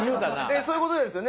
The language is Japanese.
そういうことですよね？